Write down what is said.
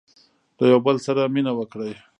• له یوه بل سره مینه وکړئ.